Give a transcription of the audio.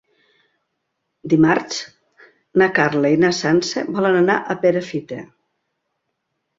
Dimarts na Carla i na Sança volen anar a Perafita.